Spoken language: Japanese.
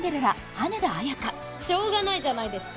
羽田綾華しょうがないじゃないですか